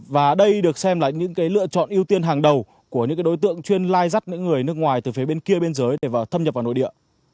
và đây được xem là những lựa chọn ưu tiên hàng đầu của những đối tượng chuyên lai dắt những người nước ngoài từ phía bên kia biên giới để thâm nhập vào nội địa